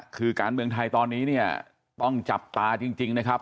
คือการเมืองไทยตอนนี้เนี่ยต้องจับตาจริงนะครับ